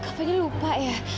kak fadil lupa ya